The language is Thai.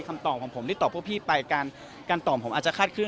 คำตอบของผมที่ตอบพวกพี่ไปการตอบผมอาจจะคาดเคล